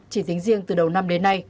chỉ tính riêng từ đầu năm đến nay